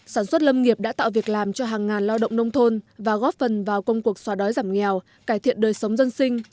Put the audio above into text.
sản xuất lâm nghiệp đã tạo việc làm cho hàng ngàn lao động nông thôn và góp phần vào công cuộc xóa đói giảm nghèo cải thiện đời sống dân sinh